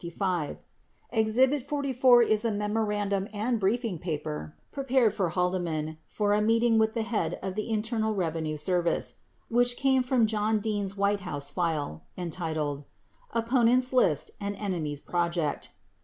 53 Exhibit 44 is a memorandum and briefing paper prepared for Haldeman for a meeting with the head of the Internal Revenue Serv ice (which came from John Dean's White House file) entitled "Oppo nents List and Enemies Project."